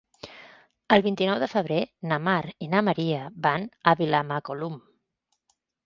El vint-i-nou de febrer na Mar i na Maria van a Vilamacolum.